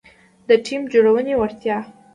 -د ټیم جوړونې وړتیا